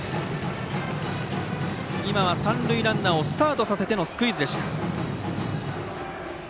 今は三塁ランナーをスタートさせてのスクイズでした。